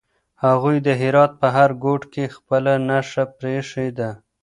هغوی د هرات په هر ګوټ کې خپله نښه پرېښې ده.